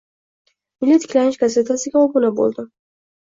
Milliy tiklanish gazetasiga obuna bo'ldim.